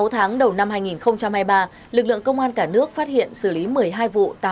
sáu tháng đầu năm hai nghìn hai mươi ba lực lượng công an cả nước phát hiện xử lý một mươi hai vụ